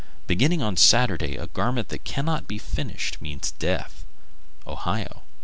Beginning on Saturday a garment that cannot be finished means death. _Ohio.